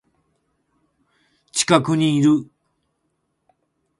近くにいる